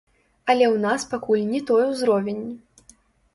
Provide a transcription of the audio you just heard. Але ў нас пакуль не той узровень.